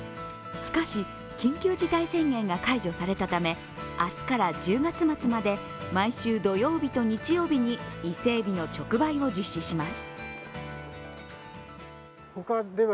しかし、緊急事態宣言が解除されたため明日から１０月末まで毎週土曜日と日曜日に伊勢えびの直売を実施します。